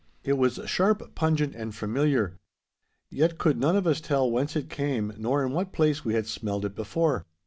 It was sharp, pungent, and familiar. Yet could none of us tell whence it came, nor in what place we had smelled it before.